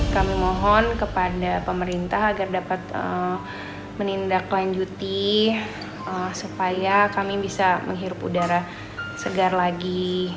kami mohon kepada pemerintah agar dapat menindaklanjuti supaya kami bisa menghirup udara segar lagi